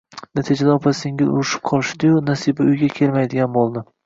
Natijada opa-singil urishib qolishdi-yu, Nasiba uyga kelmaydigan bo`ldi